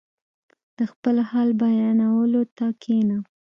• د خپل حال بیانولو ته کښېنه.